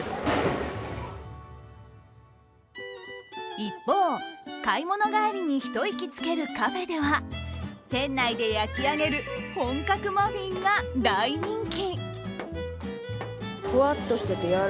一方、買い物帰りに一息つけるカフェでは店内で焼き上げる本格マフィンが大人気。